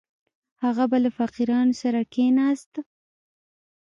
هغه به له فقیرانو سره کښېناست.